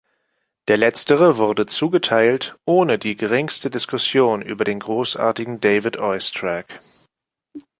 Der letztere wurde zugeteilt, ohne die gerinste Diskussion über den großartigen David Oistrakh.